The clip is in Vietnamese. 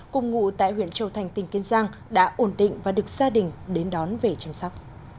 cùng ngụ tại huyện châu thành tỉnh kiên giang đã ổn định và được gia đình đến đón về chăm sóc